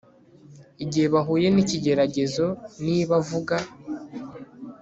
igihe bahuye nikigeragezo Niba abavuga